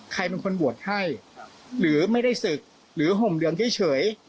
ใครเป็นคนบวชให้หรือไม่ได้ศึกหรือห่มเหลืองเฉย